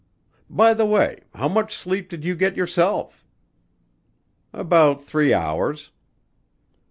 By the way, how much sleep did you get yourself?" "About three hours."